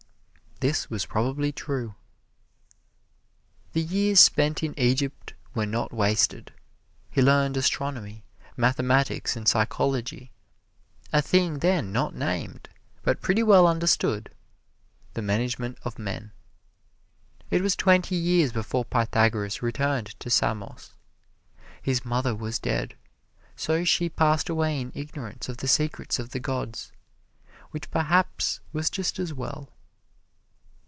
This was probably true. The years spent in Egypt were not wasted he learned astronomy, mathematics, and psychology, a thing then not named, but pretty well understood the management of men. It was twenty years before Pythagoras returned to Samos. His mother was dead, so she passed away in ignorance of the secrets of the gods which perhaps was just as well.